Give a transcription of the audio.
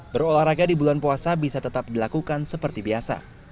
berolahraga di bulan puasa bisa tetap dilakukan seperti biasa